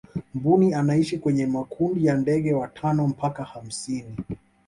mbuni anaishi kwenye makundi ya ndege watano mpaka hamsini